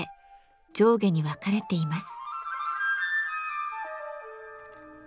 上下に分かれています。